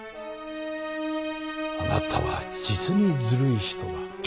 あなたは実にずるい人だ。